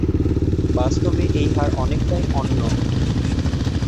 বাস্তবে এই হার অনেকটাই অন্য।